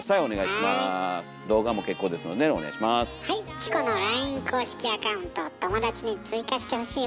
チコのＬＩＮＥ公式アカウントを「友だち」に追加してほしいわ。